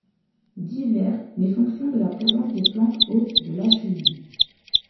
Divers mais fonction de la présence des plantes hôtes de la chenille.